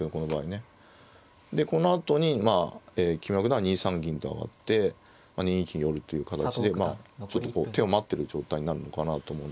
でこのあとに木村九段は２三銀と上がって２二金寄という形でまあちょっとこう手を待ってる状態になるのかなと思うので。